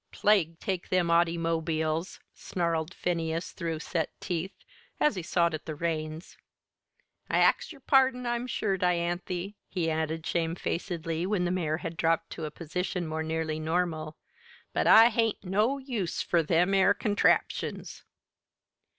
"Plague take them autymobiles!" snarled Phineas through set teeth, as he sawed at the reins. "I ax yer pardon, I'm sure, Dianthy," he added shamefacedly, when the mare had dropped to a position more nearly normal; "but I hain't no use fur them 'ere contraptions!"